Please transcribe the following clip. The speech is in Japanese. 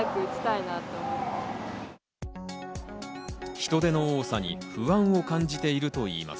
人出の多さに不安を感じているといいます。